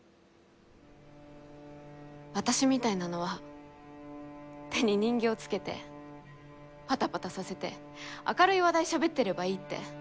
私みたいなのは手に人形つけてパタパタさせて明るい話題しゃべってればいいって。